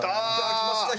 きました